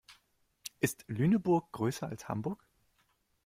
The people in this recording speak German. Ist Lüneburg größer als Hamburg?